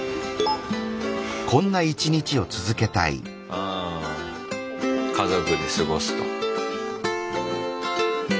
ああ家族で過ごすと。